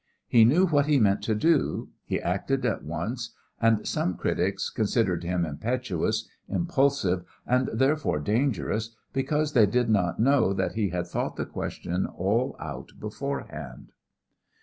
He knew what he meant to do, he acted at once, and some critics considered him impetuous, impulsive, and, therefore, dangerous because they did not know that he had thought the question all out beforehand.